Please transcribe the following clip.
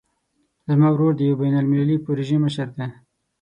زما ورور د یوې بین المللي پروژې مشر ده